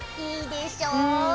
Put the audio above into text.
いいでしょ？